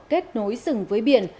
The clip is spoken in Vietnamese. kết nối sừng với biển